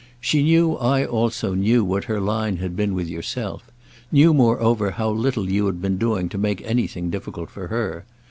She knew I also knew what her line had been with yourself; knew moreover how little you had been doing to make anything difficult for her.